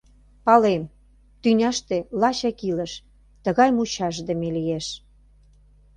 Палем: тӱняште лачак илыш Тыгай мучашдыме лиеш.